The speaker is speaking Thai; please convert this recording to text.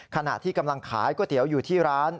ขณะที่กำลังขายก๋วยเตี๋ยวอยู่ที่ร้าน